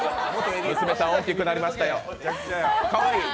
娘さん、大きくなりましたよかわいい。